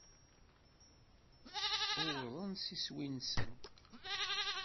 Uwḍen s iswi-nsen.